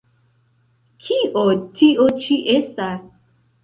Kio tio ĉi estas?